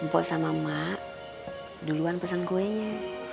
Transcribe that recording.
pok sama mak duluan pesen kuenya